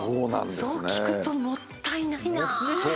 そう聞くともったいないなぁ。